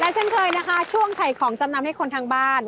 เช่นเคยนะคะช่วงถ่ายของจำนำให้คนทางบ้าน